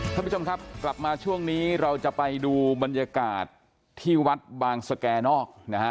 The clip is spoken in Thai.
ท่านผู้ชมครับกลับมาช่วงนี้เราจะไปดูบรรยากาศที่วัดบางสแก่นอกนะฮะ